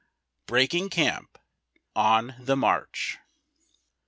BREAKING CAMP. — ON THE MARCH.